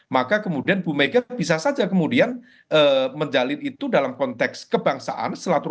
maka kemudian bu mega bisa saja kemudian menjalin itu dalam konteks kebangsaan